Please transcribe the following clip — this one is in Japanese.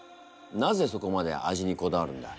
なぜそこまで「味」にこだわるんだ？